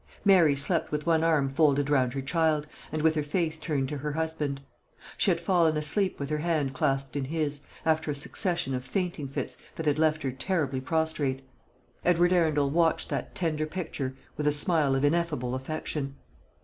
Mary slept with one arm folded round her child, and with her face turned to her husband. She had fallen asleep with her hand clasped in his, after a succession of fainting fits that had left her terribly prostrate. Edward Arundel watched that tender picture with a smile of ineffable affection.